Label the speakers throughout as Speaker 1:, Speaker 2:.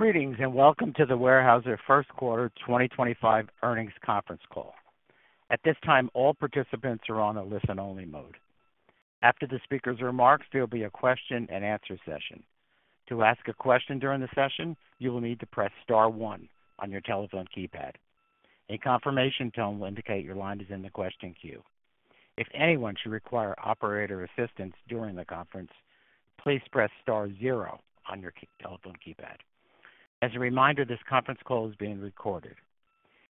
Speaker 1: Greetings and welcome to the Weyerhaeuser Q1 2025 Earnings Conference Call. At this time, all participants are on a listen-only mode. After the speaker's remarks, there will be a question-and-answer session. To ask a question during the session, you will need to press star one on your telephone keypad. A confirmation tone will indicate your line is in the question queue. If anyone should require operator assistance during the conference, please press star zero on your telephone keypad. As a reminder, this conference call is being recorded.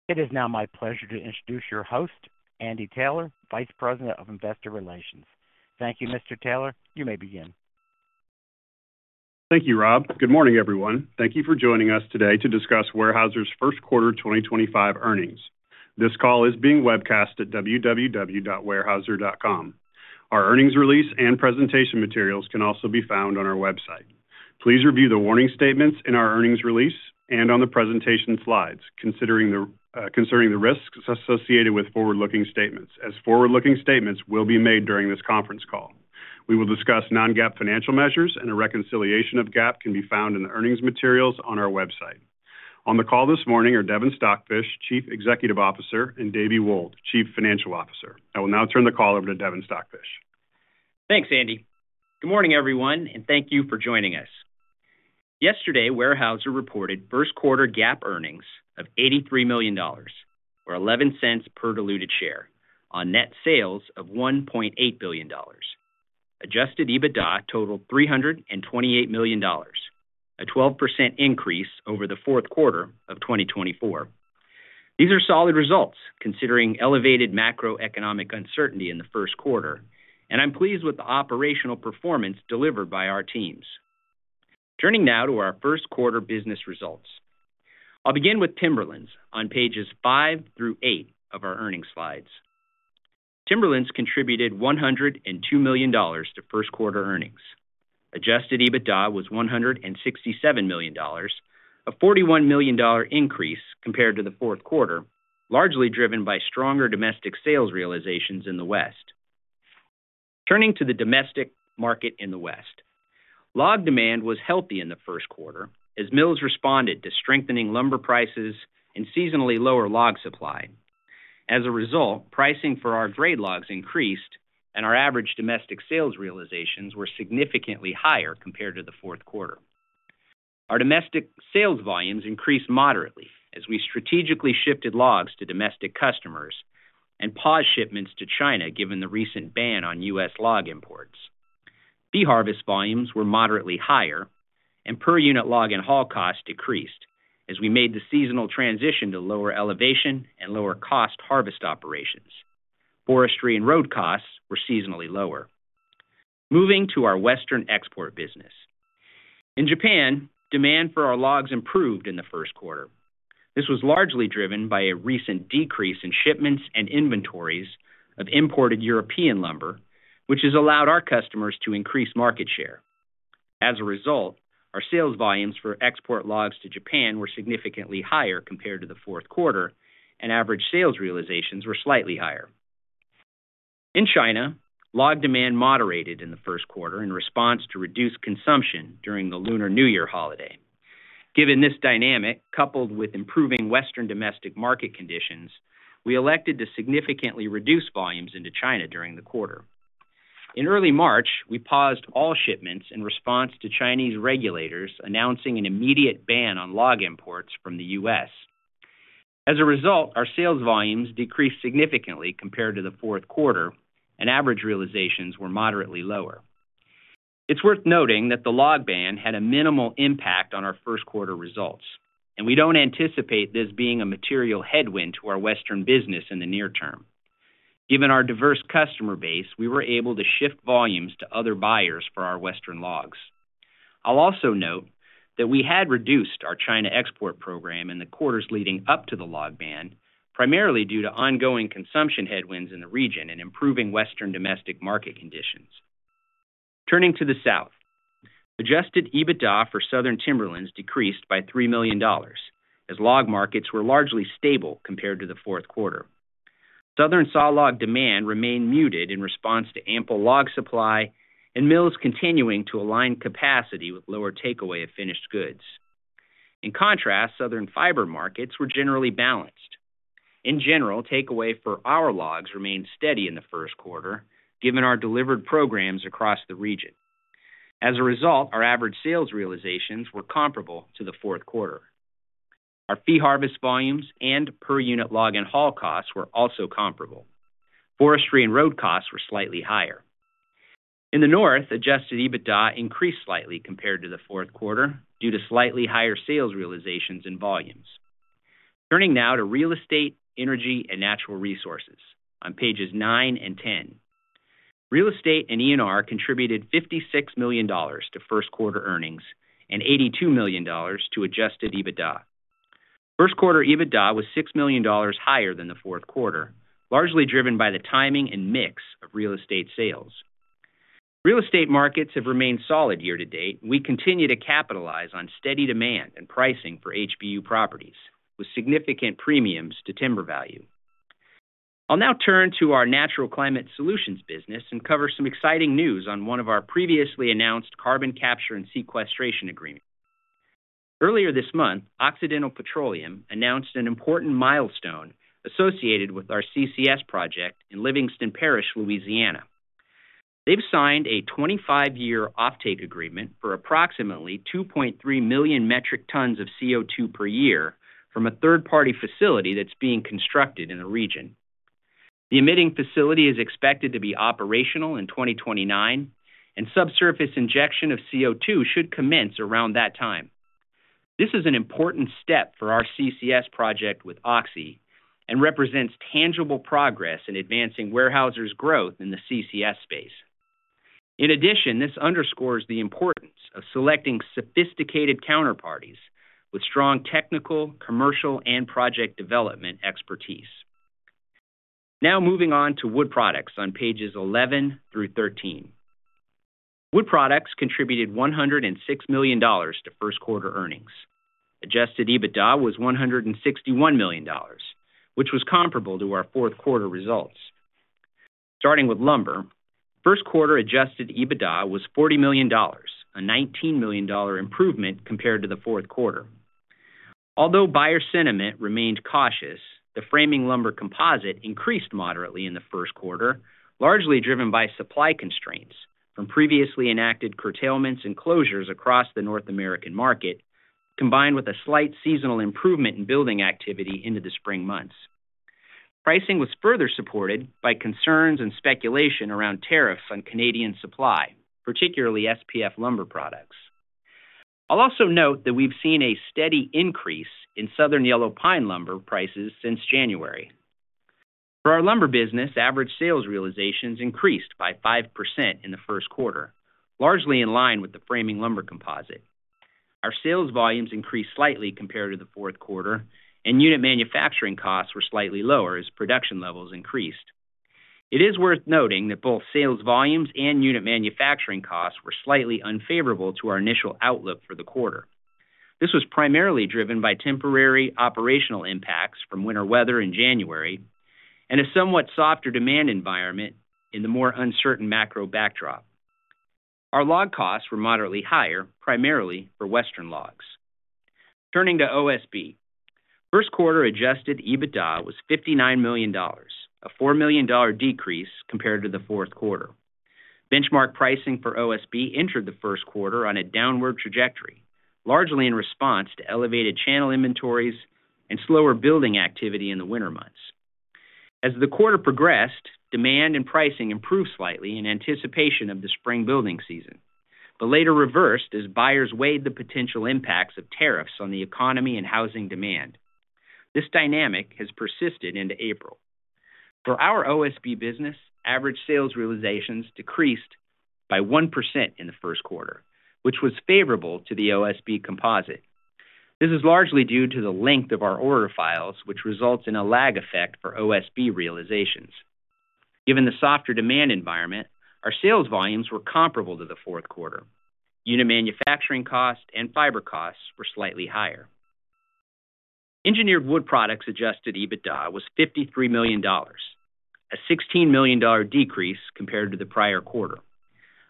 Speaker 1: It is now my pleasure to introduce your host, Andy Taylor, Vice President of Investor Relations. Thank you, Mr. Taylor. You may begin.
Speaker 2: Thank you, Rob. Good morning, everyone. Thank you for joining us today to discuss Weyerhaeuser's Q1 2025 Earnings. This call is being webcast at www.weyerhaeuser.com. Our earnings release and presentation materials can also be found on our website. Please review the warning statements in our earnings release and on the presentation slides, concerning the risks associated with forward-looking statements, as forward-looking statements will be made during this conference call. We will discuss non-GAAP financial measures and a reconciliation of GAAP can be found in the earnings materials on our website. On the call this morning are Devin Stockfish, Chief Executive Officer, and Dave Wold, Chief Financial Officer. I will now turn the call over to Devin Stockfish.
Speaker 3: Thanks, Andy. Good morning, everyone, and thank you for joining us. Yesterday, Weyerhaeuser reported Q1 GAAP earnings of $83 million, or $0.11 per diluted share, on net sales of $1.8 billion. Adjusted EBITDA totaled $328 million, a 12% increase over the Q4 of 2024. These are solid results considering elevated macroeconomic uncertainty in the Q1, and I'm pleased with the operational performance delivered by our teams. Turning now to our Q1 business results, I'll begin with Timberlands on pages five through eight of our earnings slides. Timberlands contributed $102 million to Q1 earnings. Adjusted EBITDA was $167 million, a $41 million increase compared to the Q4, largely driven by stronger domestic sales realizations in the West. Turning to the domestic market in the West, log demand was healthy in the Q1 as mills responded to strengthening lumber prices and seasonally lower log supply. As a result, pricing for our gray logs increased, and our average domestic sales realizations were significantly higher compared to the Q4. Our domestic sales volumes increased moderately as we strategically shifted logs to domestic customers and paused shipments to China given the recent ban on US log imports. Fee harvest volumes were moderately higher, and per unit log and haul costs decreased as we made the seasonal transition to lower elevation and lower cost harvest operations. Forestry and road costs were seasonally lower. Moving to our Western export business. In Japan, demand for our logs improved in the Q1. This was largely driven by a recent decrease in shipments and inventories of imported European lumber, which has allowed our customers to increase market share. As a result, our sales volumes for export logs to Japan were significantly higher compared to the Q4, and average sales realizations were slightly higher. In China, log demand moderated in the Q1 in response to reduced consumption during the Lunar New Year holiday. Given this dynamic, coupled with improving Western domestic market conditions, we elected to significantly reduce volumes into China during the quarter. In early March, we paused all shipments in response to Chinese regulators announcing an immediate ban on log imports from the US. As a result, our sales volumes decreased significantly compared to the Q4, and average realizations were moderately lower. It's worth noting that the log ban had a minimal impact on our Q1 results, and we don't anticipate this being a material headwind to our Western business in the near term. Given our diverse customer base, we were able to shift volumes to other buyers for our Western logs. I'll also note that we had reduced our China export program in the quarters leading up to the log ban, primarily due to ongoing consumption headwinds in the region and improving Western domestic market conditions. Turning to the South, adjusted EBITDA for Southern Timberlands decreased by $3 million as log markets were largely stable compared to the Q4. Southern saw log demand remain muted in response to ample log supply and mills continuing to align capacity with lower takeaway of finished goods. In contrast, Southern fiber markets were generally balanced. In general, takeaway for our logs remained steady in the Q1 given our delivered programs across the region. As a result, our average sales realizations were comparable to the Q4. Our fee harvest volumes and per unit log and haul costs were also comparable. Forestry and road costs were slightly higher. In the North, adjusted EBITDA increased slightly compared to the Q4 due to slightly higher sales realizations and volumes. Turning now to Real Estate, Energy, and Natural Resources on pages nine and ten. Real estate and ENR contributed $56 million to Q1 earnings and $82 million to adjusted EBITDA. Q1 EBITDA was $6 million higher than the Q4, largely driven by the timing and mix of real estate sales. Real estate markets have remained solid year to date, and we continue to capitalize on steady demand and pricing for HBU properties with significant premiums to timber value. I'll now turn to our Natural Climate Solutions business and cover some exciting news on one of our previously announced carbon capture and sequestration agreements. Earlier this month, Occidental Petroleum announced an important milestone associated with our CCS project in Livingston Parish, Louisiana. They've signed a 25-year offtake agreement for approximately 2.3 million metric tons of CO2 per year from a third-party facility that's being constructed in the region. The emitting facility is expected to be operational in 2029, and subsurface injection of CO2 should commence around that time. This is an important step for our CCS project with Occidental Petroleum and represents tangible progress in advancing Weyerhaeuser's growth in the CCS space. In addition, this underscores the importance of selecting sophisticated counterparties with strong technical, commercial, and project development expertise. Now moving on to Wood Products on pages 11 through 13. Wood Products contributed $106 million to Q1 earnings. Adjusted EBITDA was $161 million, which was comparable to our Q4 results. Starting with Lumber, Q1 adjusted EBITDA was $40 million, a $19 million improvement compared to the Q4. Although buyer sentiment remained cautious, the Framing Lumber Composite increased moderately in the Q1, largely driven by supply constraints from previously enacted curtailments and closures across the North American market, combined with a slight seasonal improvement in building activity into the spring months. Pricing was further supported by concerns and speculation around tariffs on Canadian supply, particularly SPF lumber products. I'll also note that we've seen a steady increase in Southern Yellow Pine lumber prices since January. For our lumber business, average sales realizations increased by 5% in the Q1, largely in line with the framing lumber composite. Our sales volumes increased slightly compared to the Q4, and unit manufacturing costs were slightly lower as production levels increased. It is worth noting that both sales volumes and unit manufacturing costs were slightly unfavorable to our initial outlook for the quarter. This was primarily driven by temporary operational impacts from winter weather in January and a somewhat softer demand environment in the more uncertain macro backdrop. Our log costs were moderately higher, primarily for Western logs. Turning to OSB, Q1 adjusted EBITDA was $59 million, a $4 million decrease compared to the Q4. Benchmark pricing for OSB entered the Q1 on a downward trajectory, largely in response to elevated channel inventories and slower building activity in the winter months. As the quarter progressed, demand and pricing improved slightly in anticipation of the spring building season, but later reversed as buyers weighed the potential impacts of tariffs on the economy and housing demand. This dynamic has persisted into April. For our OSB business, average sales realizations decreased by 1% in the Q1, which was favorable to the OSB Composite. This is largely due to the length of our order files, which results in a lag effect for OSB realizations. Given the softer demand environment, our sales volumes were comparable to the Q4. Unit manufacturing costs and fiber costs were slightly higher. Engineered wood products adjusted EBITDA was $53 million, a $16 million decrease compared to the prior quarter.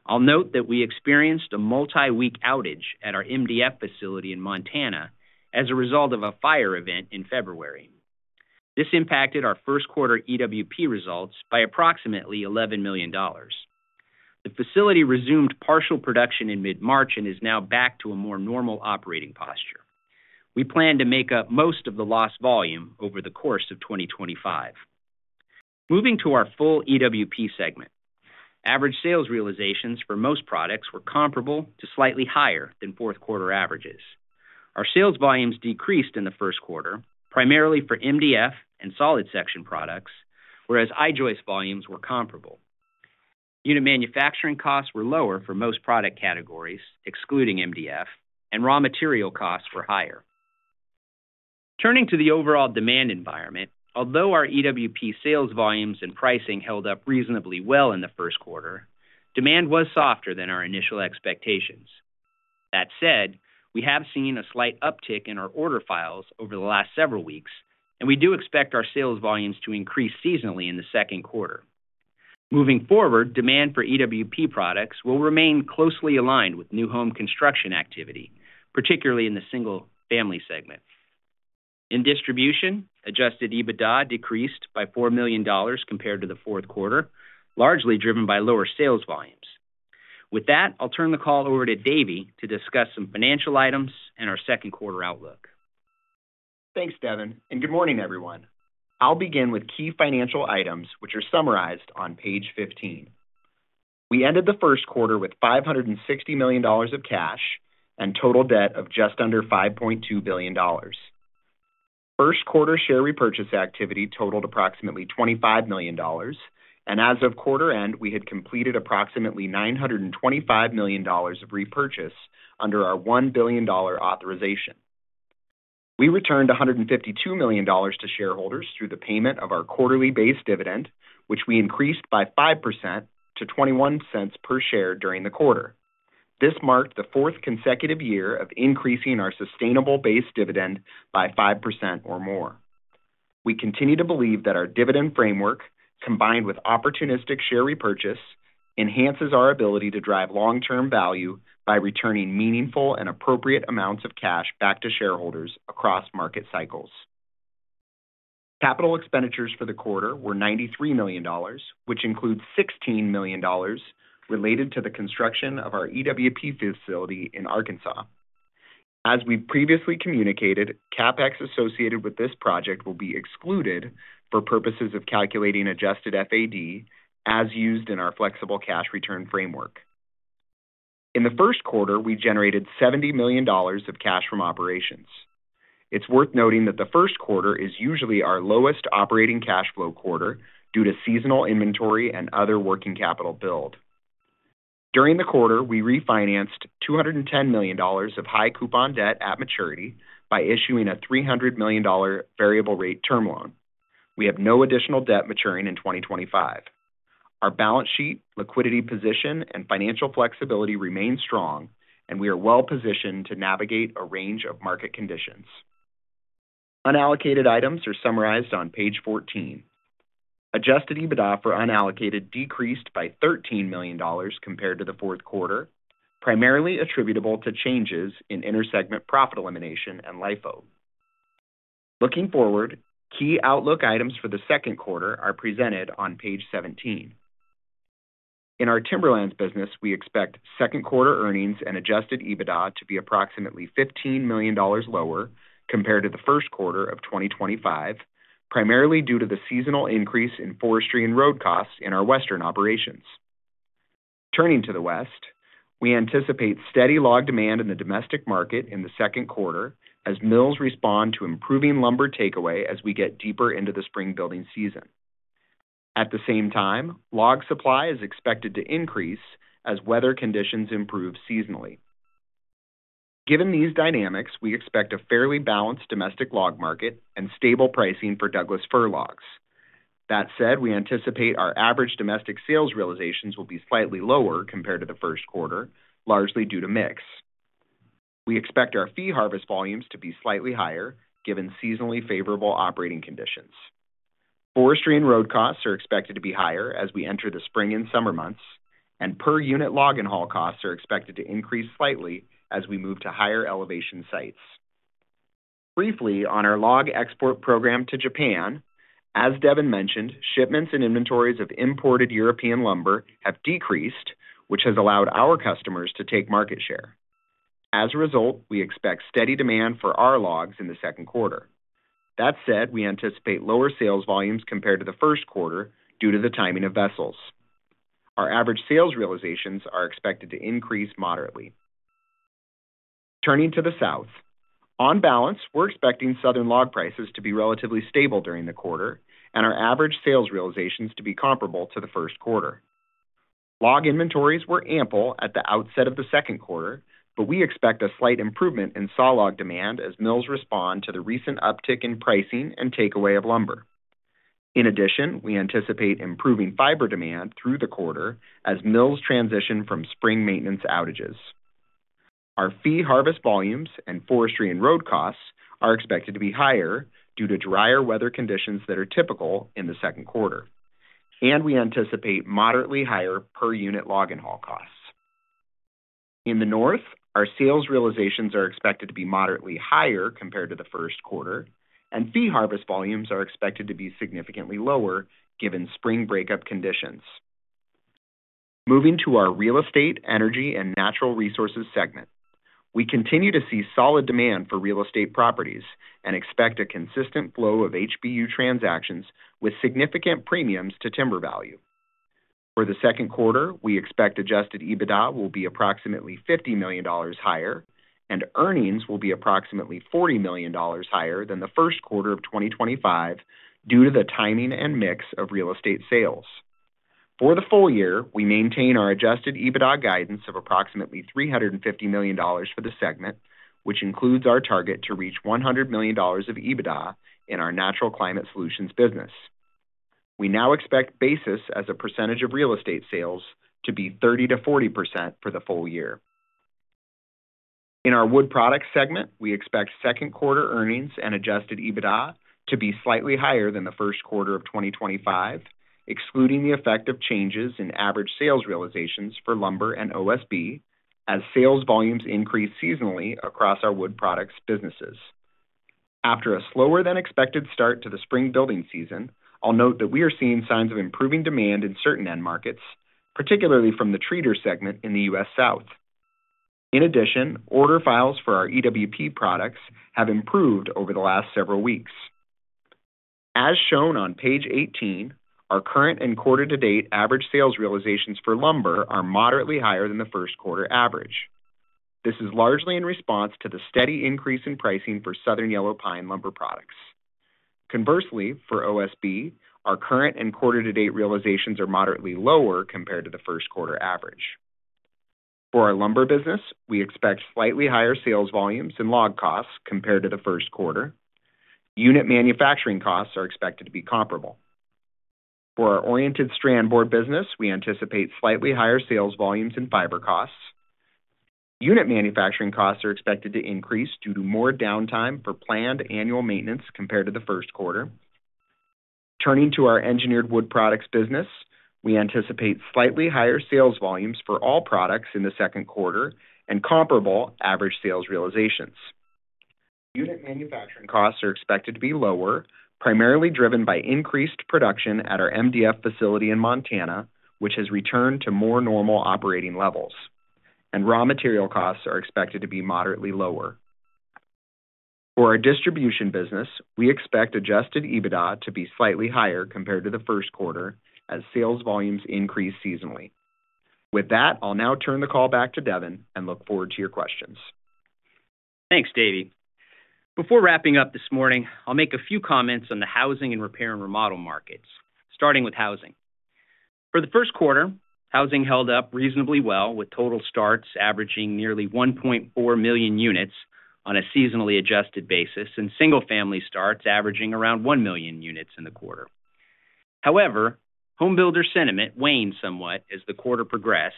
Speaker 3: I'll note that we experienced a multi-week outage at our MDF facility in Montana as a result of a fire event in February. This impacted our Q1 EWP results by approximately $11 million. The facility resumed partial production in mid-March and is now back to a more normal operating posture. We plan to make up most of the lost volume over the course of 2025. Moving to our full EWP segment, average sales realizations for most products were comparable to slightly higher than Q4 averages. Our sales volumes decreased in the Q1, primarily for MDF and solid section products, whereas I-joist volumes were comparable. Unit manufacturing costs were lower for most product categories, excluding MDF, and raw material costs were higher. Turning to the overall demand environment, although our EWP sales volumes and pricing held up reasonably well in the Q1, demand was softer than our initial expectations. That said, we have seen a slight uptick in our order files over the last several weeks, and we do expect our sales volumes to increase seasonally in the Q2. Moving forward, demand for EWP products will remain closely aligned with new home construction activity, particularly in the single-family segment. In Distribution, adjusted EBITDA decreased by $4 million compared to the Q4, largely driven by lower sales volumes. With that, I'll turn the call over to Dave to discuss some financial items and our Q2 outlook.
Speaker 4: Thanks, Devin, and good morning, everyone. I'll begin with key financial items, which are summarized on page 15. We ended the Q1 with $560 million of cash and total debt of just under $5.2 billion. Q1 share repurchase activity totaled approximately $25 million, and as of quarter end, we had completed approximately $925 million of repurchase under our $1 billion authorization. We returned $152 million to shareholders through the payment of our quarterly base dividend, which we increased by 5% to $0.21 per share during the quarter. This marked the fourth consecutive year of increasing our sustainable base dividend by 5% or more. We continue to believe that our dividend framework, combined with opportunistic share repurchase, enhances our ability to drive long-term value by returning meaningful and appropriate amounts of cash back to shareholders across market cycles. Capital expenditures for the quarter were $93 million, which includes $16 million related to the construction of our EWP facility in Arkansas. As we've previously communicated, CapEx associated with this project will be excluded for purposes of calculating adjusted FAD as used in our flexible cash return framework. In the Q1, we generated $70 million of cash from operations. It's worth noting that the Q1 is usually our lowest operating cash flow quarter due to seasonal inventory and other working capital build. During the quarter, we refinanced $210 million of high coupon debt at maturity by issuing a $300 million variable rate term loan. We have no additional debt maturing in 2025. Our balance sheet, liquidity position, and financial flexibility remain strong, and we are well positioned to navigate a range of market conditions. Unallocated items are summarized on page 14. Adjusted EBITDA for Unallocated decreased by $13 million compared to the Q4, primarily attributable to changes in intersegment profit elimination and LIFO. Looking forward, key outlook items for the Q2 are presented on page 17. In our timberlands business, we expect Q2 earnings and adjusted EBITDA to be approximately $15 million lower compared to the Q1 of 2025, primarily due to the seasonal increase in forestry and road costs in our Western operations. Turning to the West, we anticipate steady log demand in the domestic market in the Q2 as mills respond to improving lumber takeaway as we get deeper into the spring building season. At the same time, log supply is expected to increase as weather conditions improve seasonally. Given these dynamics, we expect a fairly balanced domestic log market and stable pricing for Douglas fir logs. That said, we anticipate our average domestic sales realizations will be slightly lower compared to the Q1, largely due to mix. We expect our fee harvest volumes to be slightly higher given seasonally favorable operating conditions. Forestry and road costs are expected to be higher as we enter the spring and summer months, and per unit log and haul costs are expected to increase slightly as we move to higher elevation sites. Briefly, on our log export program to Japan, as Devin mentioned, shipments and inventories of imported European lumber have decreased, which has allowed our customers to take market share. As a result, we expect steady demand for our logs in the Q2. That said, we anticipate lower sales volumes compared to the Q1 due to the timing of vessels. Our average sales realizations are expected to increase moderately. Turning to the South, on balance, we're expecting Southern log prices to be relatively stable during the quarter and our average sales realizations to be comparable to the Q1. Log inventories were ample at the outset of the Q2, but we expect a slight improvement in saw log demand as mills respond to the recent uptick in pricing and takeaway of lumber. In addition, we anticipate improving fiber demand through the quarter as mills transition from spring maintenance outages. Our fee harvest volumes and forestry and road costs are expected to be higher due to drier weather conditions that are typical in the Q2, and we anticipate moderately higher per unit log and haul costs. In the North, our sales realizations are expected to be moderately higher compared to the Q1, and fee harvest volumes are expected to be significantly lower given spring breakup conditions. Moving to our real estate, energy, and natural resources segment, we continue to see solid demand for real estate properties and expect a consistent flow of HBU transactions with significant premiums to timber value. For the Q2, we expect adjusted EBITDA will be approximately $50 million higher, and earnings will be approximately $40 million higher than the Q1 of 2025 due to the timing and mix of real estate sales. For the full year, we maintain our adjusted EBITDA guidance of approximately $350 million for the segment, which includes our target to reach $100 million of EBITDA in our natural climate solutions business. We now expect basis as a percentage of real estate sales to be 30% to 40% for the full year. In our wood products segment, we expect Q2 earnings and adjusted EBITDA to be slightly higher than the Q1 of 2025, excluding the effect of changes in average sales realizations for lumber and OSB as sales volumes increase seasonally across our wood products businesses. After a slower than expected start to the spring building season, I'll note that we are seeing signs of improving demand in certain end markets, particularly from the treater segment in the US South. In addition, order files for our EWP products have improved over the last several weeks. As shown on page 18, our current and quarter-to-date average sales realizations for lumber are moderately higher than the Q1 average. This is largely in response to the steady increase in pricing for Southern Yellow Pine lumber products. Conversely, for OSB, our current and quarter-to-date realizations are moderately lower compared to the Q1 average. For our lumber business, we expect slightly higher sales volumes and log costs compared to the Q1. Unit manufacturing costs are expected to be comparable. For our oriented strand board business, we anticipate slightly higher sales volumes and fiber costs. Unit manufacturing costs are expected to increase due to more downtime for planned annual maintenance compared to the Q1. Turning to our engineered wood products business, we anticipate slightly higher sales volumes for all products in the Q2 and comparable average sales realizations. Unit manufacturing costs are expected to be lower, primarily driven by increased production at our MDF facility in Montana, which has returned to more normal operating levels, and raw material costs are expected to be moderately lower. For our distribution business, we expect adjusted EBITDA to be slightly higher compared to the Q1 as sales volumes increase seasonally. With that, I'll now turn the call back to Devin and look forward to your questions.
Speaker 3: Thanks, Dave. Before wrapping up this morning, I'll make a few comments on the housing and repair and remodel markets, starting with housing. For the Q1, housing held up reasonably well, with total starts averaging nearly 1.4 million units on a seasonally adjusted basis and single-family starts averaging around 1 million units in the quarter. However, home builder sentiment waned somewhat as the quarter progressed,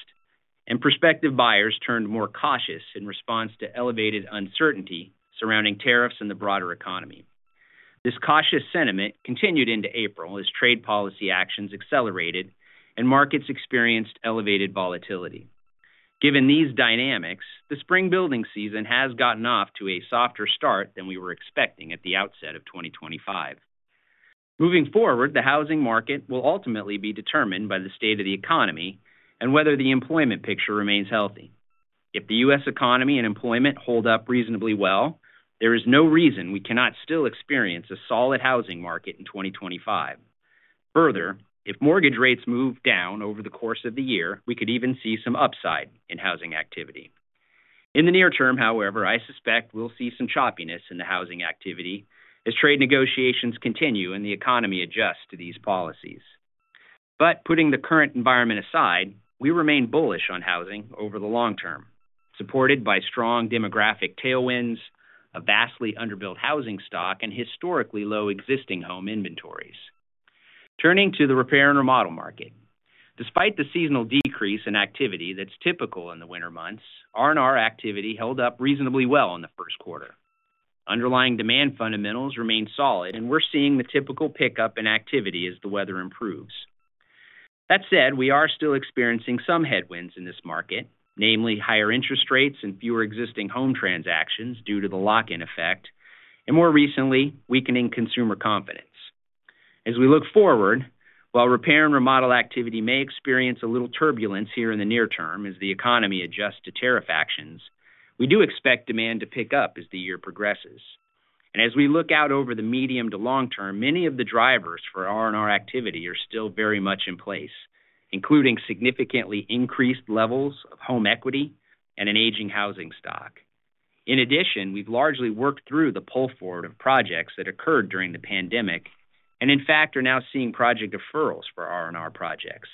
Speaker 3: and prospective buyers turned more cautious in response to elevated uncertainty surrounding tariffs and the broader economy. This cautious sentiment continued into April as trade policy actions accelerated and markets experienced elevated volatility. Given these dynamics, the spring building season has gotten off to a softer start than we were expecting at the outset of 2025. Moving forward, the housing market will ultimately be determined by the state of the economy and whether the employment picture remains healthy. If the US economy and employment hold up reasonably well, there is no reason we cannot still experience a solid housing market in 2025. Further, if mortgage rates move down over the course of the year, we could even see some upside in housing activity. In the near term, however, I suspect we'll see some choppiness in the housing activity as trade negotiations continue and the economy adjusts to these policies. Putting the current environment aside, we remain bullish on housing over the long term, supported by strong demographic tailwinds, a vastly underbuilt housing stock, and historically low existing home inventories. Turning to the repair and remodel market, despite the seasonal decrease in activity that's typical in the winter months, R&R activity held up reasonably well in the Q1. Underlying demand fundamentals remain solid, and we're seeing the typical pickup in activity as the weather improves. That said, we are still experiencing some headwinds in this market, namely higher interest rates and fewer existing home transactions due to the lock-in effect, and more recently, weakening consumer confidence. As we look forward, while repair and remodel activity may experience a little turbulence here in the near term as the economy adjusts to tariff actions, we do expect demand to pick up as the year progresses. As we look out over the medium to long term, many of the drivers for R&R activity are still very much in place, including significantly increased levels of home equity and an aging housing stock. In addition, we've largely worked through the pull forward of projects that occurred during the pandemic and, in fact, are now seeing project deferrals for R&R projects.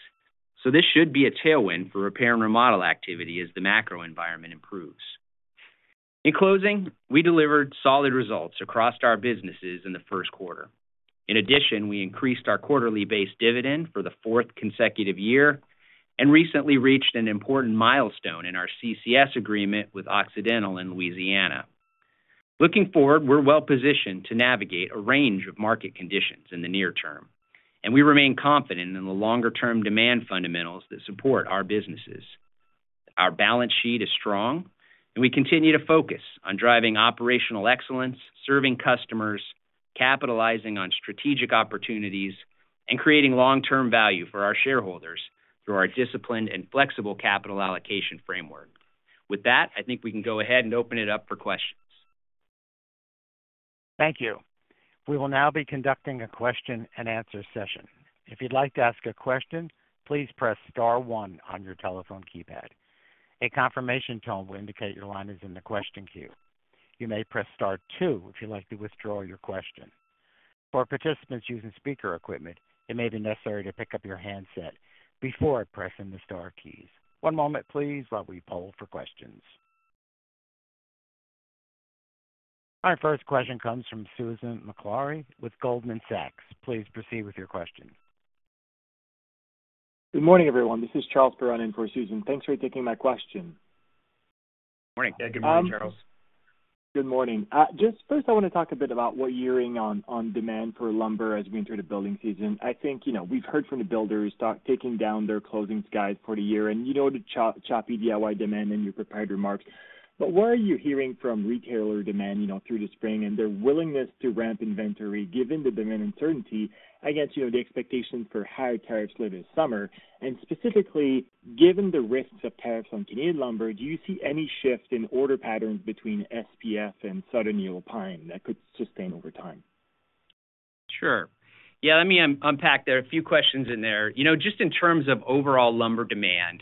Speaker 3: This should be a tailwind for repair and remodel activity as the macro environment improves. In closing, we delivered solid results across our businesses in the Q1. In addition, we increased our quarterly base dividend for the fourth consecutive year and recently reached an important milestone in our CCS agreement with Occidental in Louisiana. Looking forward, we're well positioned to navigate a range of market conditions in the near term, and we remain confident in the longer-term demand fundamentals that support our businesses. Our balance sheet is strong, and we continue to focus on driving operational excellence, serving customers, capitalizing on strategic opportunities, and creating long-term value for our shareholders through our disciplined and flexible capital allocation framework. With that, I think we can go ahead and open it up for questions.
Speaker 1: Thank you. We will now be conducting a question-and-answer session. If you'd like to ask a question, please press Star one on your telephone keypad. A confirmation tone will indicate your line is in the question queue. You may press Star two if you'd like to withdraw your question. For participants using speaker equipment, it may be necessary to pick up your handset before pressing the Star keys. One moment, please, while we poll for questions. Our first question comes from Susan Maklari with Goldman Sachs. Please proceed with your question.
Speaker 5: Good morning, everyone. This is Charles Perron for Susan. Thanks for taking my question.
Speaker 3: Morning. Yeah, good morning, Charles.
Speaker 5: Good morning. Just first, I want to talk a bit about what you're hearing on demand for lumber as we enter the building season. I think we've heard from the builders taking down their closing skies for the year and the choppy DIY demand in your prepared remarks. What are you hearing from retailer demand through the spring and their willingness to ramp inventory given the demand uncertainty against the expectations for higher tariffs later this summer? Specifically, given the risks of tariffs on Canadian lumber, do you see any shift in order patterns between SPF and Southern Yellow Pine that could sustain over time?
Speaker 3: Sure. Yeah, let me unpack there. A few questions in there. Just in terms of overall lumber demand,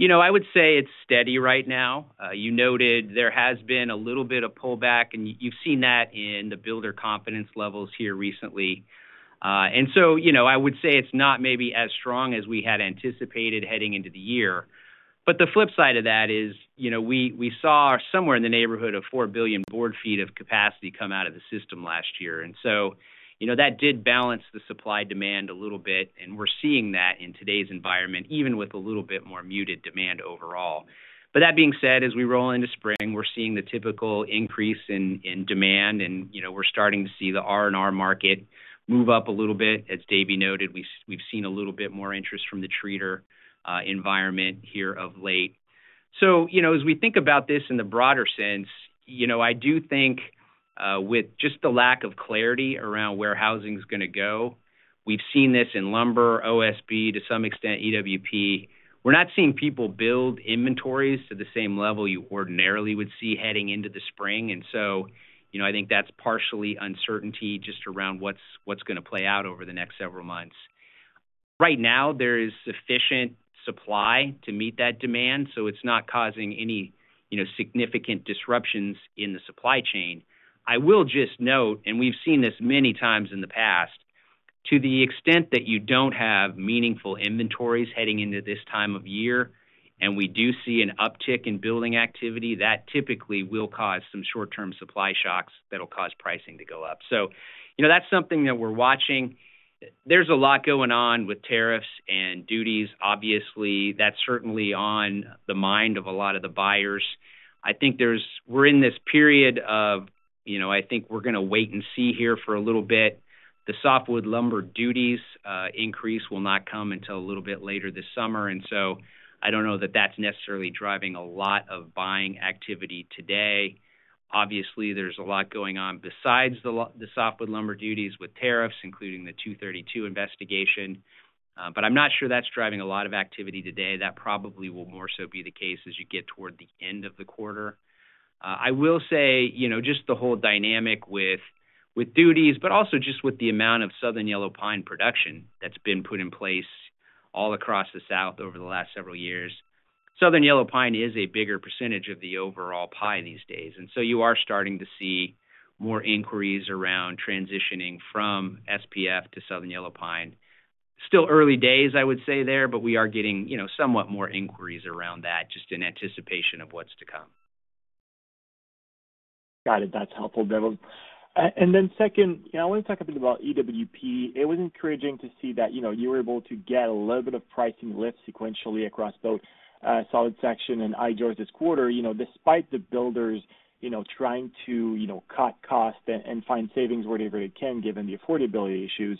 Speaker 3: I would say it's steady right now. You noted there has been a little bit of pullback, and you've seen that in the builder confidence levels here recently. I would say it's not maybe as strong as we had anticipated heading into the year. The flip side of that is we saw somewhere in the neighborhood of 4 billion board feet of capacity come out of the system last year. That did balance the supply demand a little bit, and we're seeing that in today's environment, even with a little bit more muted demand overall. That being said, as we roll into spring, we're seeing the typical increase in demand, and we're starting to see the R&R market move up a little bit. As Dave noted, we've seen a little bit more interest from the treater environment here of late. As we think about this in the broader sense, I do think with just the lack of clarity around where housing is going to go, we've seen this in lumber, OSB, to some extent EWP. We're not seeing people build inventories to the same level you ordinarily would see heading into the spring. I think that's partially uncertainty just around what's going to play out over the next several months. Right now, there is sufficient supply to meet that demand, so it's not causing any significant disruptions in the supply chain. I will just note, and we've seen this many times in the past, to the extent that you don't have meaningful inventories heading into this time of year, and we do see an uptick in building activity, that typically will cause some short-term supply shocks that'll cause pricing to go up. That is something that we're watching. There's a lot going on with tariffs and duties. Obviously, that's certainly on the mind of a lot of the buyers. I think we're in this period of, I think we're going to wait and see here for a little bit. The softwood lumber duties increase will not come until a little bit later this summer. I don't know that that's necessarily driving a lot of buying activity today. Obviously, there's a lot going on besides the softwood lumber duties with tariffs, including the 232 investigation. I'm not sure that's driving a lot of activity today. That probably will more so be the case as you get toward the end of the quarter. I will say just the whole dynamic with duties, but also just with the amount of Southern Yellow Pine production that's been put in place all across the South over the last several years. Southern Yellow Pine is a bigger percentage of the overall pie these days. You are starting to see more inquiries around transitioning from SPF to Southern Yellow Pine. Still early days, I would say there, but we are getting somewhat more inquiries around that just in anticipation of what's to come.
Speaker 5: Got it. That's helpful, Devin. I want to talk a bit about EWP. It was encouraging to see that you were able to get a little bit of pricing lift sequentially across both solid section and I-joists this quarter. Despite the builders trying to cut costs and find savings wherever they can, given the affordability issues,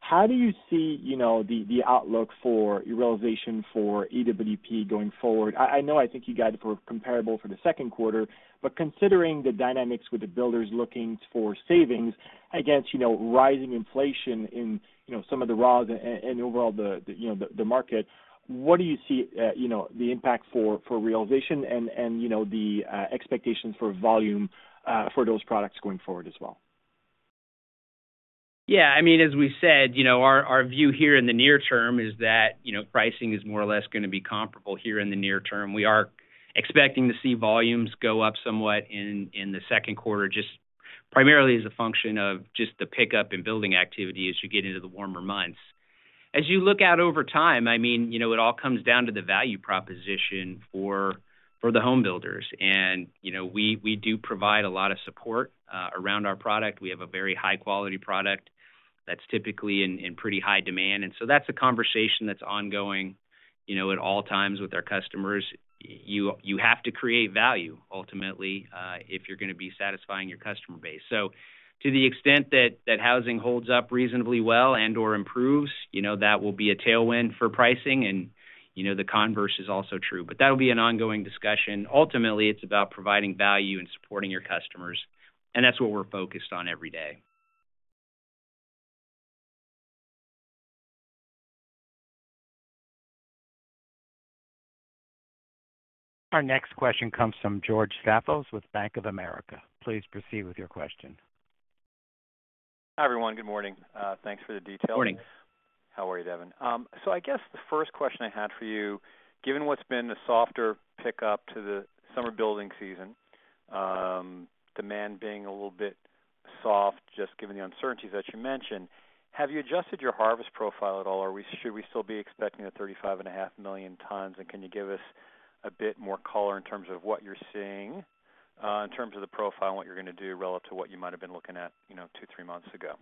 Speaker 5: how do you see the outlook for your realization for EWP going forward? I know I think you got it for comparable for the Q2, but considering the dynamics with the builders looking for savings against rising inflation in some of the raw and overall the market, what do you see the impact for realization and the expectations for volume for those products going forward as well?
Speaker 3: Yeah. I mean, as we said, our view here in the near term is that pricing is more or less going to be comparable here in the near term. We are expecting to see volumes go up somewhat in the Q2, just primarily as a function of just the pickup in building activity as you get into the warmer months. As you look out over time, I mean, it all comes down to the value proposition for the home builders. And we do provide a lot of support around our product. We have a very high-quality product that's typically in pretty high demand. And so that's a conversation that's ongoing at all times with our customers. You have to create value, ultimately, if you're going to be satisfying your customer base. To the extent that housing holds up reasonably well and/or improves, that will be a tailwind for pricing, and the converse is also true. That will be an ongoing discussion. Ultimately, it's about providing value and supporting your customers, and that's what we're focused on every day.
Speaker 1: Our next question comes from George Staphos with Bank of America. Please proceed with your question.
Speaker 6: Hi, everyone. Good morning. Thanks for the detail.
Speaker 3: Morning.
Speaker 6: How are you, Devin? I guess the first question I had for you, given what's been the softer pickup to the summer building season, demand being a little bit soft just given the uncertainties that you mentioned, have you adjusted your harvest profile at all, or should we still be expecting the 35.5 million tons, and can you give us a bit more color in terms of what you're seeing in terms of the profile and what you're going to do relative to what you might have been looking at two, three months ago?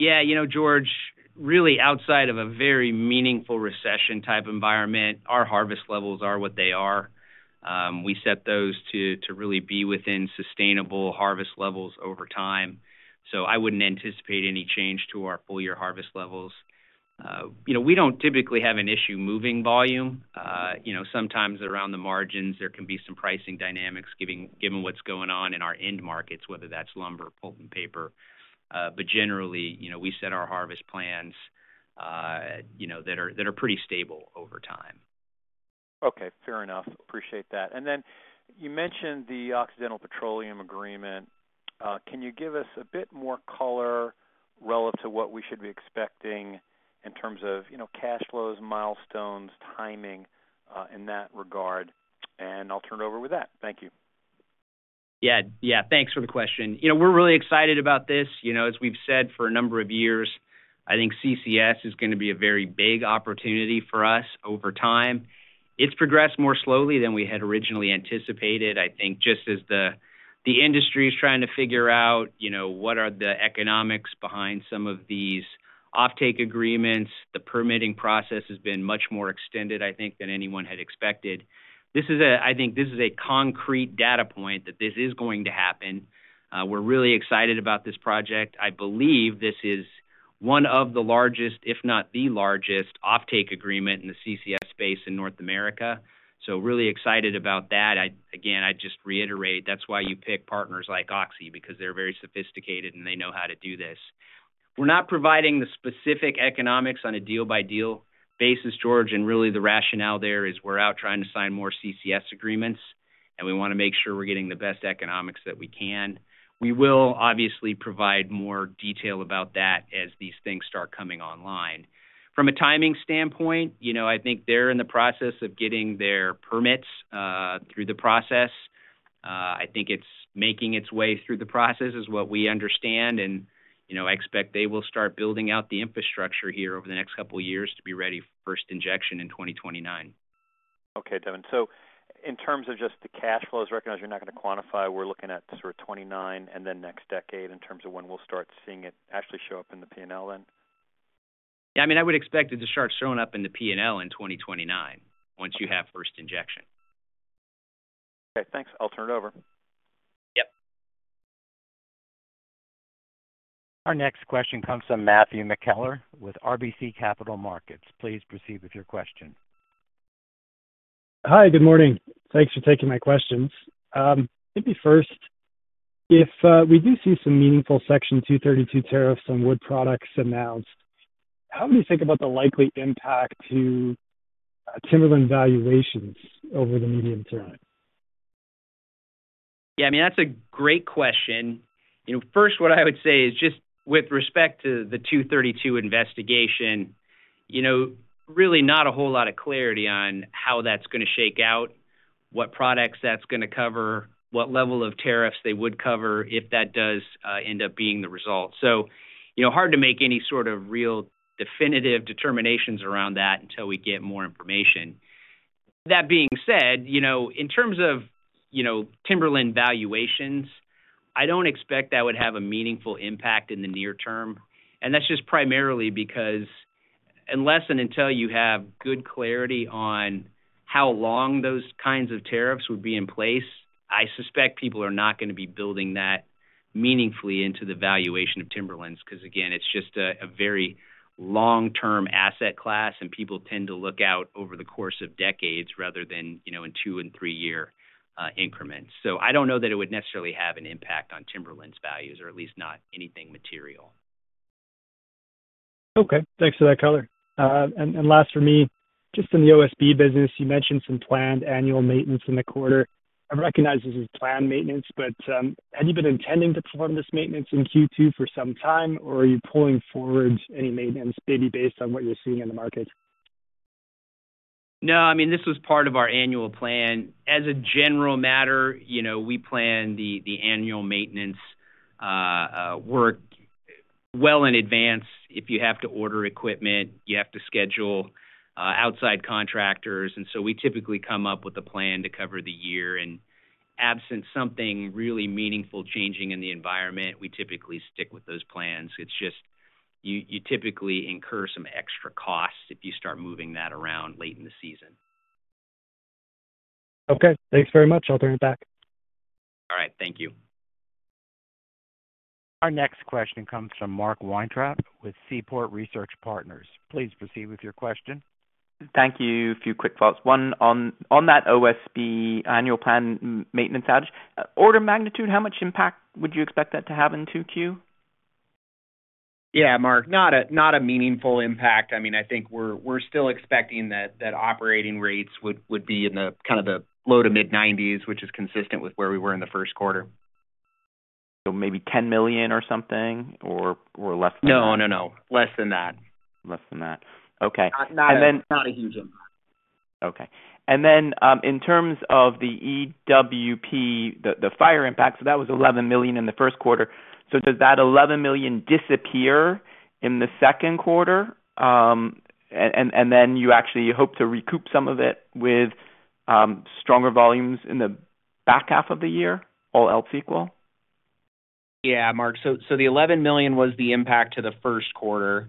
Speaker 3: Yeah. You know, George, really outside of a very meaningful recession type environment, our harvest levels are what they are. We set those to really be within sustainable harvest levels over time. I wouldn't anticipate any change to our full-year harvest levels. We don't typically have an issue moving volume. Sometimes around the margins, there can be some pricing dynamics given what's going on in our end markets, whether that's lumber, pulp, and paper. Generally, we set our harvest plans that are pretty stable over time.
Speaker 6: Okay. Fair enough. Appreciate that. You mentioned the Occidental Petroleum Agreement. Can you give us a bit more color relative to what we should be expecting in terms of cash flows, milestones, timing in that regard? I'll turn it over with that. Thank you.
Speaker 3: Yeah. Yeah. Thanks for the question. We're really excited about this. As we've said for a number of years, I think CCS is going to be a very big opportunity for us over time. It's progressed more slowly than we had originally anticipated, I think, just as the industry is trying to figure out what are the economics behind some of these offtake agreements. The permitting process has been much more extended, I think, than anyone had expected. I think this is a concrete data point that this is going to happen. We're really excited about this project. I believe this is one of the largest, if not the largest, offtake agreement in the CCS space in North America. Really excited about that. Again, I just reiterate, that's why you pick partners like OXY, because they're very sophisticated and they know how to do this. We're not providing the specific economics on a deal-by-deal basis, George, and really the rationale there is we're out trying to sign more CCS agreements, and we want to make sure we're getting the best economics that we can. We will obviously provide more detail about that as these things start coming online. From a timing standpoint, I think they're in the process of getting their permits through the process. I think it's making its way through the process is what we understand, and I expect they will start building out the infrastructure here over the next couple of years to be ready for first injection in 2029.
Speaker 6: Okay, Devin. In terms of just the cash flows, recognize you're not going to quantify. We're looking at sort of 2029 and then next decade in terms of when we'll start seeing it actually show up in the P&L then?
Speaker 3: Yeah. I mean, I would expect it to start showing up in the P&L in 2029 once you have first injection.
Speaker 6: Okay. Thanks. I'll turn it over.
Speaker 3: Yes.
Speaker 1: Our next question comes from Matthew McKellar with RBC Capital Markets. Please proceed with your question.
Speaker 7: Hi, good morning. Thanks for taking my questions. Maybe first, if we do see some meaningful Section 232 tariffs on wood products announced, how would you think about the likely impact to timberland valuations over the medium term?
Speaker 3: Yeah. I mean, that's a great question. First, what I would say is just with respect to the 232 investigation, really not a whole lot of clarity on how that's going to shake out, what products that's going to cover, what level of tariffs they would cover if that does end up being the result. Hard to make any sort of real definitive determinations around that until we get more information. That being said, in terms of timberland valuations, I don't expect that would have a meaningful impact in the near term. That is just primarily because unless and until you have good clarity on how long those kinds of tariffs would be in place, I suspect people are not going to be building that meaningfully into the valuation of timberlands because, again, it is just a very long-term asset class, and people tend to look out over the course of decades rather than in two and three-year increments. I do not know that it would necessarily have an impact on timberlands values, or at least not anything material.
Speaker 7: Okay. Thanks for that, Color. Last for me, just in the OSB business, you mentioned some planned annual maintenance in the quarter. I recognize this is planned maintenance, but had you been intending to perform this maintenance in Q2 for some time, or are you pulling forward any maintenance maybe based on what you're seeing in the market?
Speaker 3: No. I mean, this was part of our annual plan. As a general matter, we plan the annual maintenance work well in advance. If you have to order equipment, you have to schedule outside contractors. We typically come up with a plan to cover the year. Absent something really meaningful changing in the environment, we typically stick with those plans. You typically incur some extra costs if you start moving that around late in the season.
Speaker 7: Okay. Thanks very much. I'll turn it back.
Speaker 3: All right. Thank you.
Speaker 1: Our next question comes from Mark Weintraub with Seaport Research Partners. Please proceed with your question.
Speaker 8: Thank you. A few quick thoughts. One on that OSB annual plan maintenance outage. Order of magnitude, how much impact would you expect that to have in Q2?
Speaker 3: Yeah, Mark. Not a meaningful impact. I mean, I think we're still expecting that operating rates would be in the kind of the low to mid-90%, which is consistent with where we were in the Q1.
Speaker 8: Maybe $10 million or something, or less?
Speaker 3: No, no. Less than that.
Speaker 8: Less than that. Okay.
Speaker 3: Not a huge impact.
Speaker 8: Okay. In terms of the EWP, the fire impact, that was $11 million in the Q1. Does that $11 million disappear in the Q2? You actually hope to recoup some of it with stronger volumes in the back half of the year, all else equal?
Speaker 3: Yeah, Mark. The $11 million was the impact to the Q1.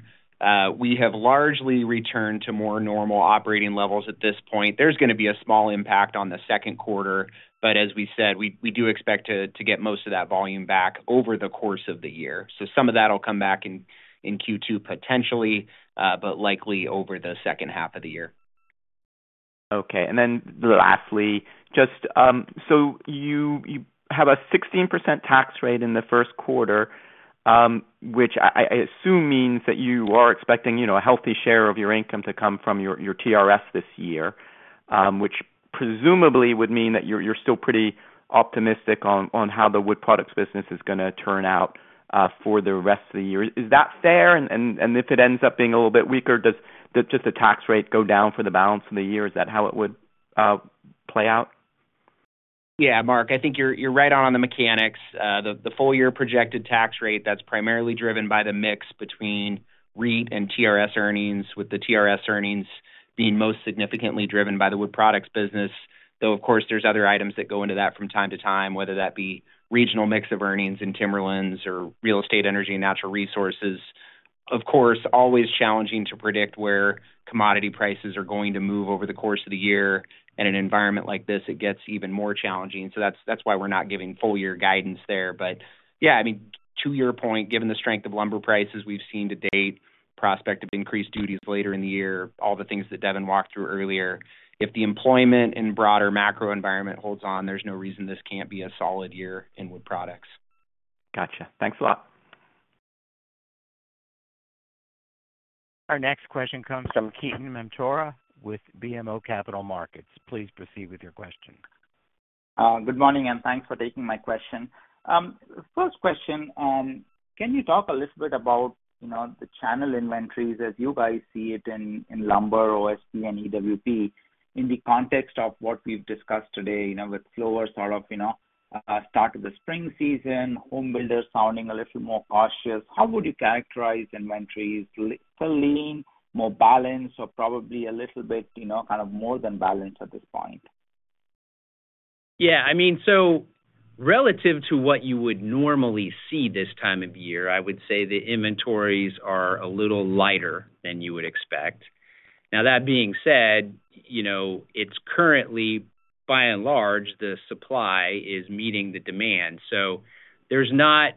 Speaker 3: We have largely returned to more normal operating levels at this point. There is going to be a small impact on the Q2, but as we said, we do expect to get most of that volume back over the course of the year. Some of that will come back in Q2 potentially, but likely over the second half of the year.
Speaker 8: Okay. Lastly, just so you have a 16% tax rate in the Q1, which I assume means that you are expecting a healthy share of your income to come from your TRS this year, which presumably would mean that you're still pretty optimistic on how the wood products business is going to turn out for the rest of the year. Is that fair? If it ends up being a little bit weaker, does just the tax rate go down for the balance of the year? Is that how it would play out?
Speaker 3: Yeah, Mark. I think you're right on the mechanics. The full-year projected tax rate, that's primarily driven by the mix between REIT and TRS earnings, with the TRS earnings being most significantly driven by the Wood Products business. Though, of course, there's other items that go into that from time to time, whether that be regional mix of earnings in Timberlands or Real Estate, Energy, and Natural Resources. Of course, always challenging to predict where commodity prices are going to move over the course of the year. In an environment like this, it gets even more challenging. That's why we're not giving full-year guidance there. Yeah, I mean, to your point, given the strength of lumber prices we've seen to date, prospect of increased duties later in the year, all the things that Devin walked through earlier, if the employment and broader macro environment holds on, there's no reason this can't be a solid year in Wood Products.
Speaker 8: Got you. Thanks a lot.
Speaker 1: Our next question comes from Ketan Mamtora with BMO Capital Markets. Please proceed with your question.
Speaker 9: Good morning and thanks for taking my question. First question, can you talk a little bit about the channel inventories as you guys see it in lumber, OSB, and EWP in the context of what we've discussed today with slower sort of start of the spring season, home builders sounding a little more cautious? How would you characterize inventories? Little, lean, more balanced, or probably a little bit kind of more than balanced at this point?
Speaker 3: Yeah. I mean, so relative to what you would normally see this time of year, I would say the inventories are a little lighter than you would expect. Now, that being said, currently, by and large, the supply is meeting the demand. There is not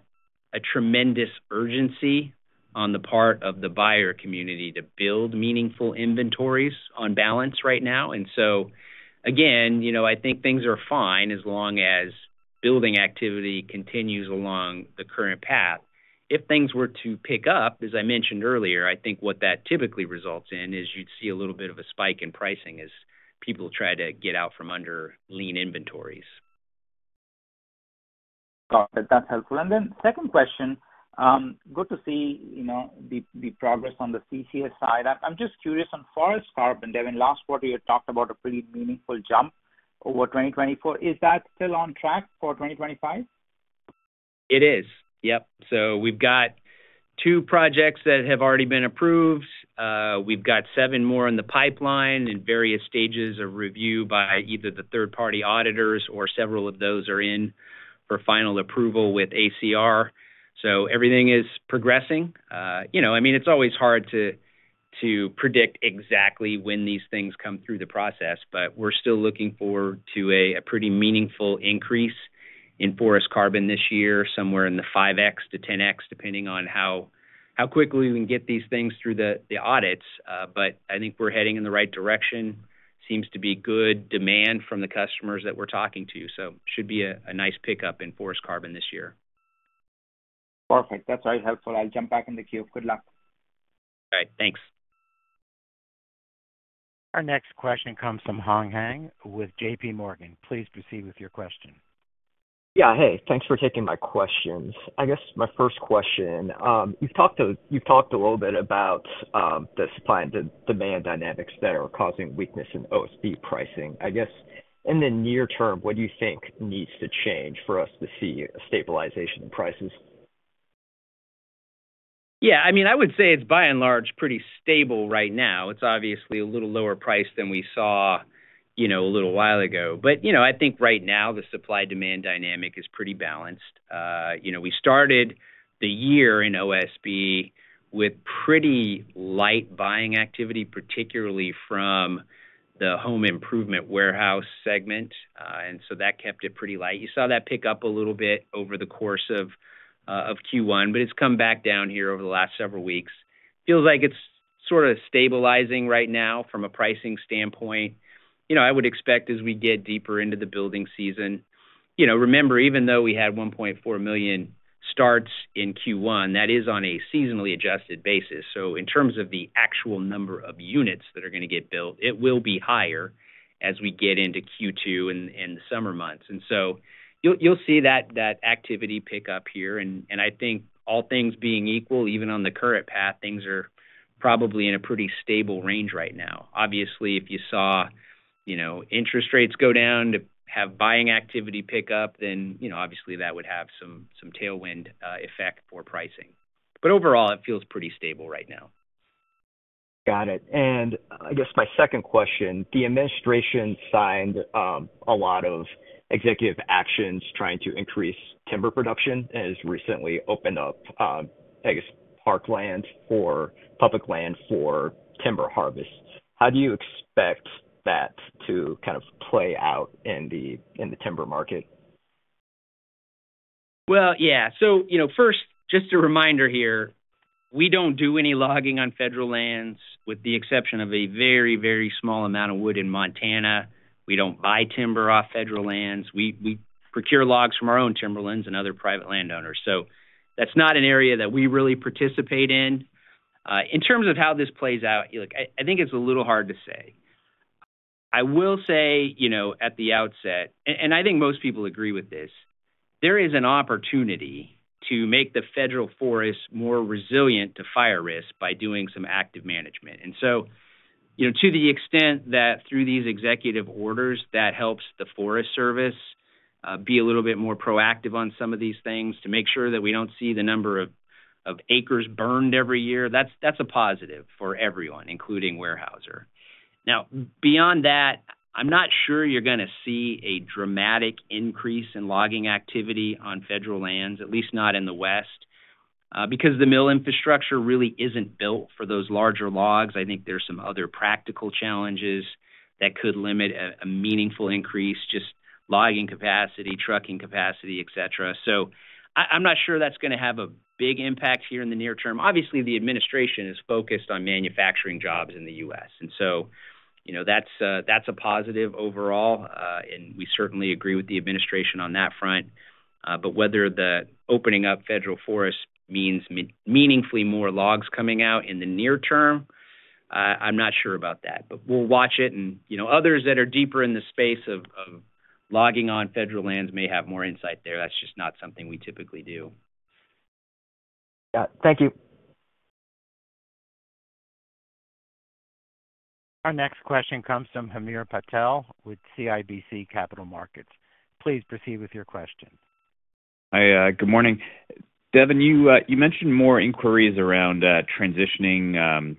Speaker 3: a tremendous urgency on the part of the buyer community to build meaningful inventories on balance right now. I think things are fine as long as building activity continues along the current path. If things were to pick up, as I mentioned earlier, I think what that typically results in is you would see a little bit of a spike in pricing as people try to get out from under lean inventories.
Speaker 9: Got it. That's helpful. Second question, good to see the progress on the CCS side. I'm just curious on forest carbon, Devin. Last quarter, you had talked about a pretty meaningful jump over 2024. Is that still on track for 2025?
Speaker 3: It is. Yes. We have two projects that have already been approved. We have seven more in the pipeline in various stages of review by either the third-party auditors, or several of those are in for final approval with ACR. Everything is progressing. I mean, it's always hard to predict exactly when these things come through the process, but we're still looking forward to a pretty meaningful increase in forest carbon this year, somewhere in the 5X to 10X, depending on how quickly we can get these things through the audits. I think we're heading in the right direction. Seems to be good demand from the customers that we're talking to. It should be a nice pickup in forest carbon this year.
Speaker 9: Perfect. That's very helpful. I'll jump back in the queue. Good luck.
Speaker 3: All right. Thanks.
Speaker 1: Our next question comes from Hong Hang with JPMorgan. Please proceed with your question.
Speaker 10: Yeah. Hey, thanks for taking my questions. I guess my first question, you've talked a little bit about the supply and demand dynamics that are causing weakness in OSB pricing. I guess in the near term, what do you think needs to change for us to see a stabilization in prices?
Speaker 3: Yeah. I mean, I would say it's by and large pretty stable right now. It's obviously a little lower price than we saw a little while ago. I think right now the supply-demand dynamic is pretty balanced. We started the year in OSB with pretty light buying activity, particularly from the home improvement warehouse segment. That kept it pretty light. You saw that pick up a little bit over the course of Q1, but it's come back down here over the last several weeks. Feels like it's sort of stabilizing right now from a pricing standpoint. I would expect as we get deeper into the building season, remember, even though we had 1.4 million starts in Q1, that is on a seasonally adjusted basis. In terms of the actual number of units that are going to get built, it will be higher as we get into Q2 and the summer months. You will see that activity pick up here. I think all things being equal, even on the current path, things are probably in a pretty stable range right now. Obviously, if you saw interest rates go down to have buying activity pick up, then obviously that would have some tailwind effect for pricing. Overall, it feels pretty stable right now.
Speaker 10: Got it. I guess my second question, the administration signed a lot of executive actions trying to increase timber production and has recently opened up, I guess, parkland or public land for timber harvest. How do you expect that to kind of play out in the timber market?
Speaker 3: Yeah. First, just a reminder here, we don't do any logging on federal lands with the exception of a very, very small amount of wood in Montana. We don't buy timber off federal lands. We procure logs from our own timberlands and other private landowners. That's not an area that we really participate in. In terms of how this plays out, I think it's a little hard to say. I will say at the outset, and I think most people agree with this, there is an opportunity to make the federal forest more resilient to fire risk by doing some active management. To the extent that through these executive orders, that helps the Forest Service be a little bit more proactive on some of these things to make sure that we do not see the number of acres burned every year, that is a positive for everyone, including Weyerhaeuser. Now, beyond that, I am not sure you are going to see a dramatic increase in logging activity on federal lands, at least not in the West, because the mill infrastructure really is not built for those larger logs. I think there are some other practical challenges that could limit a meaningful increase, just logging capacity, trucking capacity, etc. I am not sure that is going to have a big impact here in the near term. Obviously, the administration is focused on manufacturing jobs in the US That is a positive overall. We certainly agree with the administration on that front. Whether the opening up federal forest means meaningfully more logs coming out in the near term, I'm not sure about that. We'll watch it. Others that are deeper in the space of logging on federal lands may have more insight there. That's just not something we typically do.
Speaker 10: Yeah. Thank you.
Speaker 1: Our next question comes from Hamir Patel with CIBC Capital Markets. Please proceed with your question.
Speaker 11: Hi. Good morning. Devin, you mentioned more inquiries around transitioning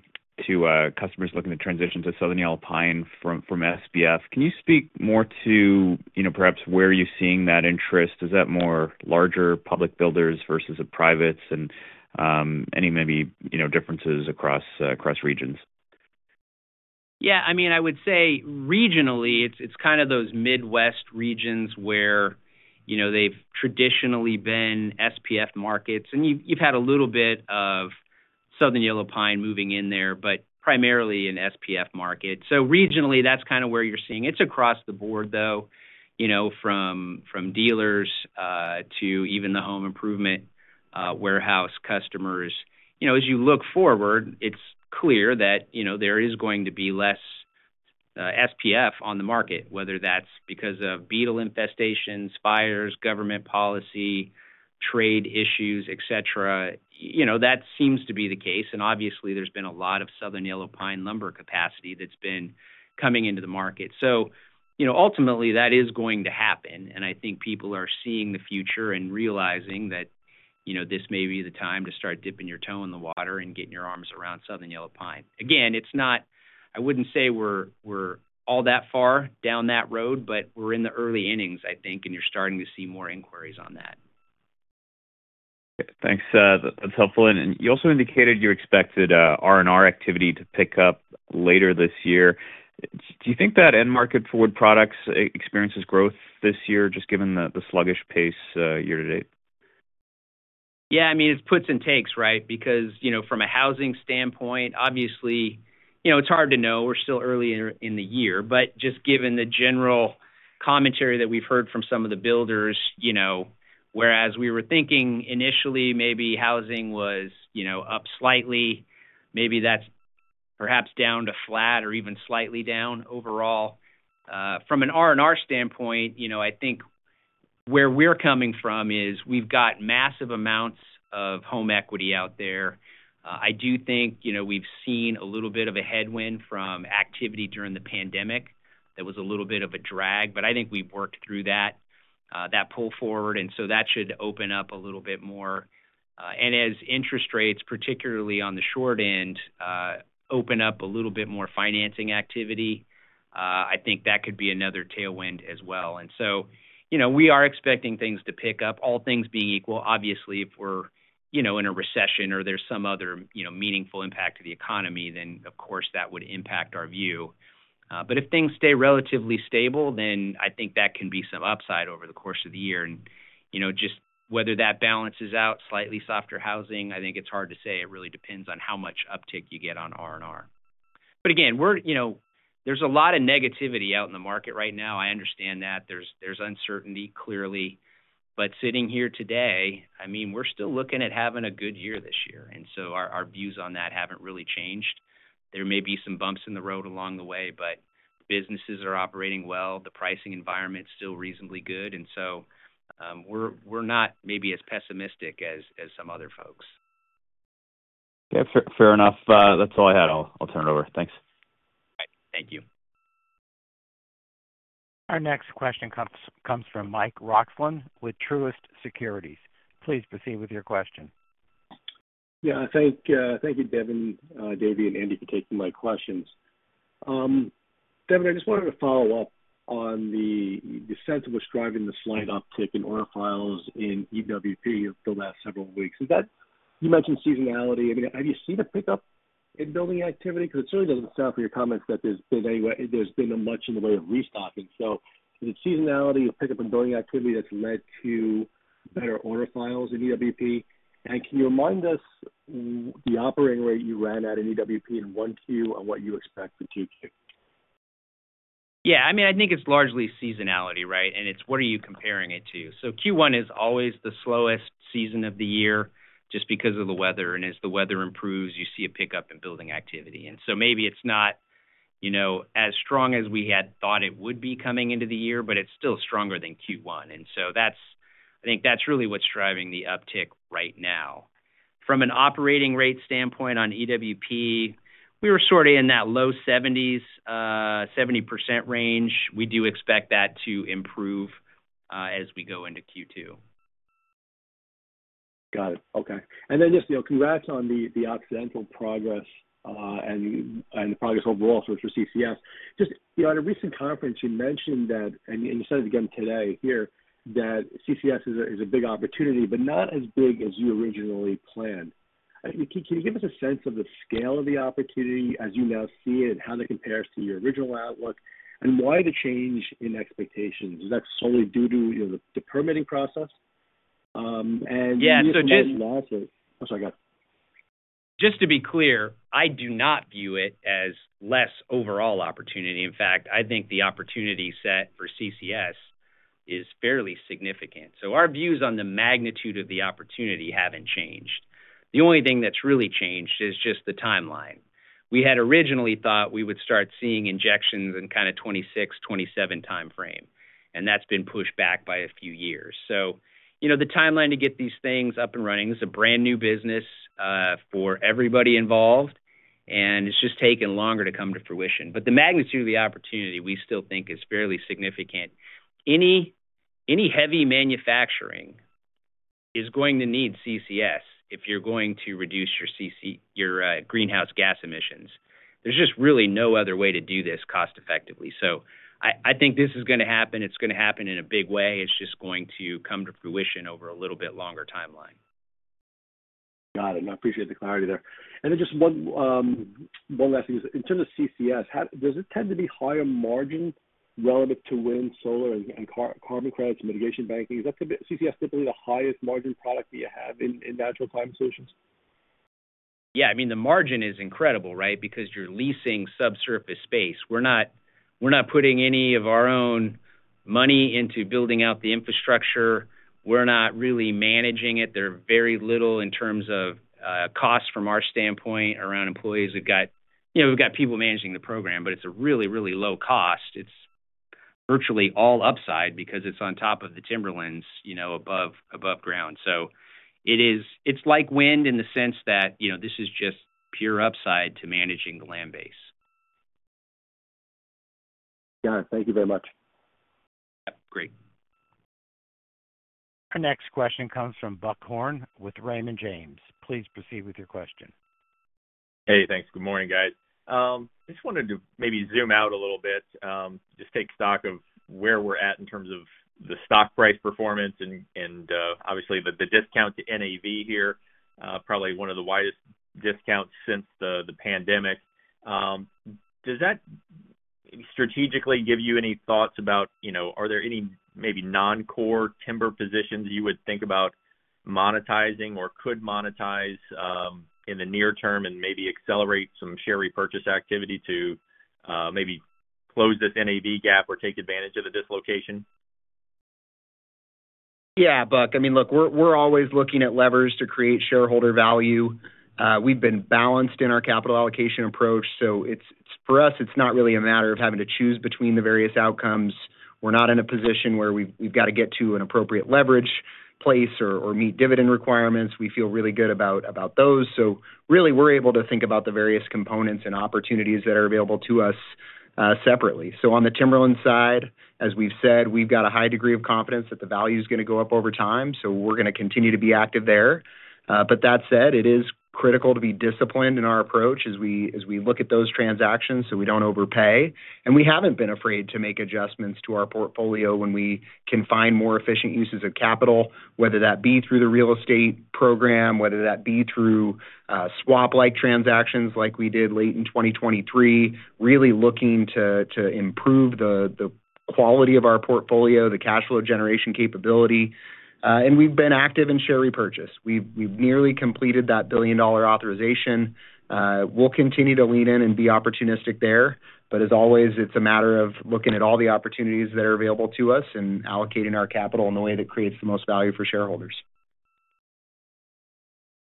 Speaker 11: to customers looking to transition to Southern Yellow Pine from SPF. Can you speak more to perhaps where you're seeing that interest? Is that more larger public builders versus the privates? Any maybe differences across regions?
Speaker 3: Yeah. I mean, I would say regionally, it's kind of those Midwest regions where they've traditionally been SPF markets. And you've had a little bit of Southern Yellow Pine moving in there, but primarily in SPF markets. So regionally, that's kind of where you're seeing it. It's across the board, though, from dealers to even the home improvement warehouse customers. As you look forward, it's clear that there is going to be less SPF on the market, whether that's because of beetle infestations, fires, government policy, trade issues, etc. That seems to be the case. Obviously, there's been a lot of Southern Yellow Pine lumber capacity that's been coming into the market. Ultimately, that is going to happen. I think people are seeing the future and realizing that this may be the time to start dipping your toe in the water and getting your arms around Southern Yellow Pine. Again, I wouldn't say we're all that far down that road, but we're in the early innings, I think, and you're starting to see more inquiries on that.
Speaker 11: Okay. Thanks. That's helpful. You also indicated you expected R&R activity to pick up later this year. Do you think that end market for wood products experiences growth this year, just given the sluggish pace year to date?
Speaker 3: Yeah. I mean, it's puts and takes, right? Because from a housing standpoint, obviously, it's hard to know. We're still early in the year. Just given the general commentary that we've heard from some of the builders, whereas we were thinking initially maybe housing was up slightly, maybe that's perhaps down to flat or even slightly down overall. From an R&R standpoint, I think where we're coming from is we've got massive amounts of home equity out there. I do think we've seen a little bit of a headwind from activity during the pandemic that was a little bit of a drag. I think we've worked through that pull forward. That should open up a little bit more. As interest rates, particularly on the short end, open up a little bit more financing activity, I think that could be another tailwind as well. We are expecting things to pick up, all things being equal. Obviously, if we're in a recession or there's some other meaningful impact to the economy, then of course, that would impact our view. If things stay relatively stable, then I think that can be some upside over the course of the year. Just whether that balances out slightly softer housing, I think it's hard to say. It really depends on how much uptick you get on R&R. Again, there's a lot of negativity out in the market right now. I understand that. There's uncertainty, clearly. Sitting here today, I mean, we're still looking at having a good year this year. Our views on that haven't really changed. There may be some bumps in the road along the way, but businesses are operating well. The pricing environment is still reasonably good. We're not maybe as pessimistic as some other folks.
Speaker 11: Okay. Fair enough. That's all I had. I'll turn it over. Thanks.
Speaker 3: All right. Thank you.
Speaker 1: Our next question comes from Mike Roxland with Truist Securities. Please proceed with your question.
Speaker 12: Yeah. Thank you, Devin, Dave, and Andy for taking my questions. Devin, I just wanted to follow up on the sense of what's driving the slight uptick in order files in EWP over the last several weeks. You mentioned seasonality. Have you seen a pickup in building activity? Because it certainly doesn't sound from your comments that there's been much in the way of restocking. Is it seasonality or pickup in building activity that's led to better order files in EWP? Can you remind us the operating rate you ran at in EWP in Q1 and what you expect for Q2?
Speaker 3: Yeah. I mean, I think it's largely seasonality, right? It's what are you comparing it to? Q1 is always the slowest season of the year just because of the weather. As the weather improves, you see a pickup in building activity. Maybe it's not as strong as we had thought it would be coming into the year, but it's still stronger than Q1. I think that's really what's driving the uptick right now. From an operating rate standpoint on EWP, we were sort of in that low 70s, 70% range. We do expect that to improve as we go into Q2.
Speaker 12: Got it. Okay. Congrats on the Occidental progress and the progress overall for CCS. Just on a recent conference, you mentioned that, and you said it again today here, that CCS is a big opportunity, but not as big as you originally planned. Can you give us a sense of the scale of the opportunity as you now see it and how that compares to your original outlook? Why the change in expectations? Is that solely due to the permitting process?
Speaker 3: Yeah. Just.
Speaker 12: Your overall losses? I'm sorry. Go ahead.
Speaker 3: Just to be clear, I do not view it as less overall opportunity. In fact, I think the opportunity set for CCS is fairly significant. So our views on the magnitude of the opportunity have not changed. The only thing that has really changed is just the timeline. We had originally thought we would start seeing injections in kind of 2026, 2027 timeframe. That has been pushed back by a few years. The timeline to get these things up and running is a brand new business for everybody involved. It has just taken longer to come to fruition. The magnitude of the opportunity, we still think is fairly significant. Any heavy manufacturing is going to need CCS if you are going to reduce your greenhouse gas emissions. There is just really no other way to do this cost-effectively. I think this is going to happen. It's going to happen in a big way. It's just going to come to fruition over a little bit longer timeline.
Speaker 12: Got it. I appreciate the clarity there. Just one last thing is, in terms of CCS, does it tend to be higher margin relative to wind, solar, and carbon credits and mitigation banking? Is CCS typically the highest margin product that you have in natural climate solutions?
Speaker 3: Yeah. I mean, the margin is incredible, right? Because you're leasing subsurface space. We're not putting any of our own money into building out the infrastructure. We're not really managing it. There are very little in terms of cost from our standpoint around employees. We've got people managing the program, but it's a really, really low cost. It's virtually all upside because it's on top of the timberlands above ground. It's like wind in the sense that this is just pure upside to managing the land base.
Speaker 12: Got it. Thank you very much.
Speaker 3: Yes. Great.
Speaker 1: Our next question comes from Buck Horne with Raymond James. Please proceed with your question.
Speaker 13: Hey. Thanks. Good morning, guys. I just wanted to maybe zoom out a little bit, just take stock of where we're at in terms of the stock price performance and obviously the discount to NAV here, probably one of the widest discounts since the pandemic. Does that strategically give you any thoughts about are there any maybe non-core timber positions you would think about monetizing or could monetize in the near term and maybe accelerate some share repurchase activity to maybe close this NAV gap or take advantage of the dislocation?
Speaker 4: Yeah, Buck. I mean, look, we're always looking at levers to create shareholder value. We've been balanced in our capital allocation approach. For us, it's not really a matter of having to choose between the various outcomes. We're not in a position where we've got to get to an appropriate leverage place or meet dividend requirements. We feel really good about those. Really, we're able to think about the various components and opportunities that are available to us separately. On the timberland side, as we've said, we've got a high degree of confidence that the value is going to go up over time. We're going to continue to be active there. That said, it is critical to be disciplined in our approach as we look at those transactions so we don't overpay. We have not been afraid to make adjustments to our portfolio when we can find more efficient uses of capital, whether that be through the real estate program, whether that be through swap-like transactions like we did late in 2023, really looking to improve the quality of our portfolio, the cash flow generation capability. We have been active in share repurchase. We have nearly completed that billion-dollar authorization. We will continue to lean in and be opportunistic there. As always, it is a matter of looking at all the opportunities that are available to us and allocating our capital in a way that creates the most value for shareholders.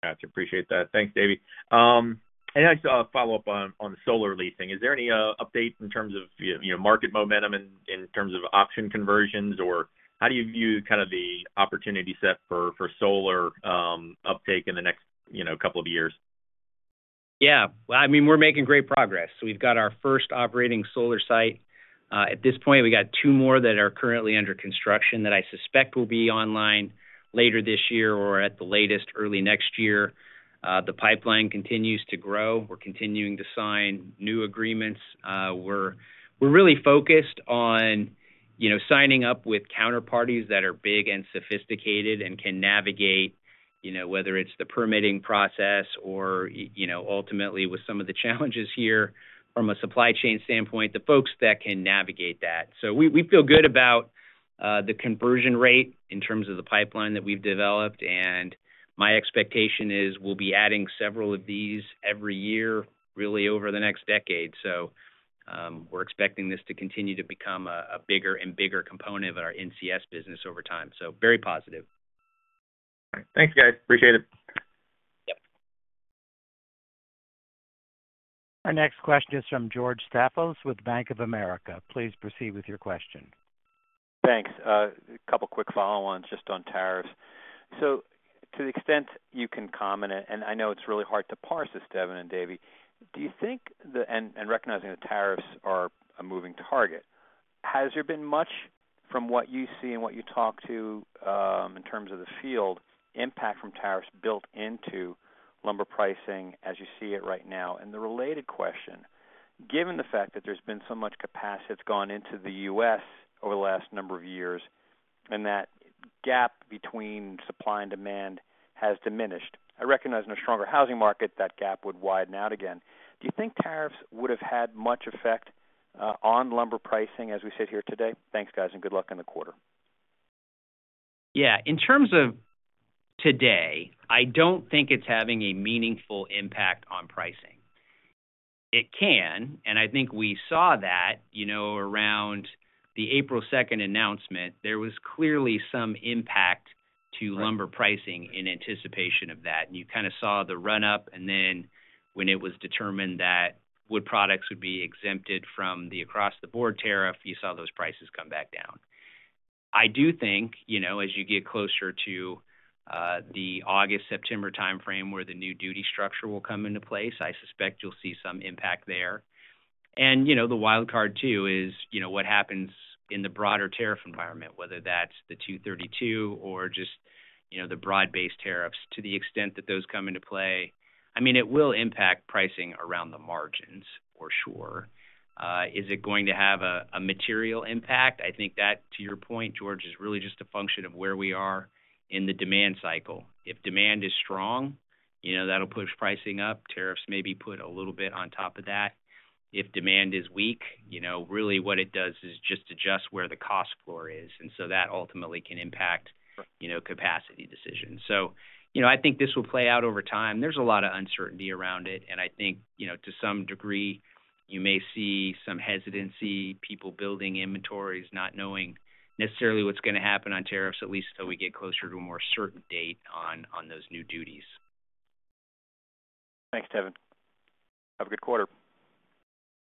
Speaker 13: Gotcha. Appreciate that. Thanks, Dave. I just follow up on the solar leasing. Is there any update in terms of market momentum in terms of option conversions? How do you view kind of the opportunity set for solar uptake in the next couple of years?
Speaker 4: Yeah. I mean, we're making great progress. We've got our first operating solar site. At this point, we got two more that are currently under construction that I suspect will be online later this year or at the latest early next year. The pipeline continues to grow. We're continuing to sign new agreements. We're really focused on signing up with counterparties that are big and sophisticated and can navigate whether it's the permitting process or ultimately with some of the challenges here from a supply chain standpoint, the folks that can navigate that. We feel good about the conversion rate in terms of the pipeline that we've developed. My expectation is we'll be adding several of these every year really over the next decade. We're expecting this to continue to become a bigger and bigger component of our NCS business over time. Very positive.
Speaker 13: All right. Thanks, guys. Appreciate it.
Speaker 4: Yes.
Speaker 1: Our next question is from George Staphos with Bank of America. Please proceed with your question.
Speaker 6: Thanks. A couple of quick follow-ons just on tariffs. To the extent you can comment, and I know it's really hard to parse this, Devin and Dave, do you think, and recognizing the tariffs are a moving target, has there been much from what you see and what you talk to in terms of the field impact from tariffs built into lumber pricing as you see it right now? The related question, given the fact that there's been so much capacity that's gone into the US over the last number of years and that gap between supply and demand has diminished, I recognize in a stronger housing market, that gap would widen out again. Do you think tariffs would have had much effect on lumber pricing as we sit here today? Thanks, guys, and good luck in the quarter.
Speaker 3: Yeah. In terms of today, I do not think it is having a meaningful impact on pricing. It can. I think we saw that around the 2 April announcement. There was clearly some impact to lumber pricing in anticipation of that. You kind of saw the run-up. When it was determined that wood products would be exempted from the across-the-board tariff, you saw those prices come back down. I do think as you get closer to the August, September timeframe where the new duty structure will come into place, I suspect you will see some impact there. The wild card too is what happens in the broader tariff environment, whether that is the 232 or just the broad-based tariffs to the extent that those come into play. I mean, it will impact pricing around the margins for sure. Is it going to have a material impact? I think that, to your point, George, is really just a function of where we are in the demand cycle. If demand is strong, that'll push pricing up. Tariffs may be put a little bit on top of that. If demand is weak, really what it does is just adjust where the cost floor is. That ultimately can impact capacity decisions. I think this will play out over time. There's a lot of uncertainty around it. I think to some degree, you may see some hesitancy, people building inventories, not knowing necessarily what's going to happen on tariffs, at least until we get closer to a more certain date on those new duties.
Speaker 6: Thanks, Devin. Have a good quarter.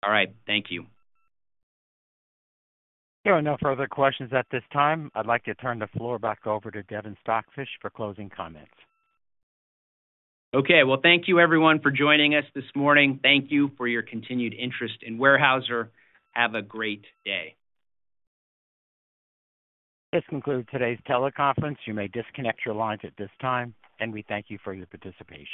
Speaker 3: All right. Thank you.
Speaker 1: There are no further questions at this time. I'd like to turn the floor back over to Devin Stockfish for closing comments.
Speaker 3: Okay. Thank you, everyone, for joining us this morning. Thank you for your continued interest in Weyerhaeuser. Have a great day.
Speaker 1: This concludes today's teleconference. You may disconnect your lines at this time. We thank you for your participation.